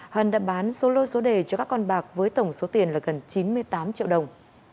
hân đã bán số lô số đề cho các con bạc với tổng số tiền là gần chín mươi tám triệu đồng